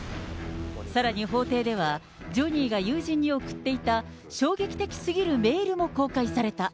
さらに法廷では、ジョニーが友人に送っていた衝撃的すぎるメールも公開された。